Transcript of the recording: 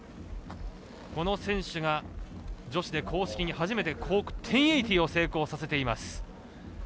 この選手が女子で公式に初めてコーク１０８０を成功させています。